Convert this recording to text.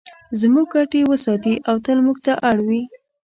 زموږ ګټې وساتي او تل موږ ته اړ وي.